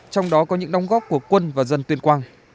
trong đó có những đóng góp của quân và dân tuyên quang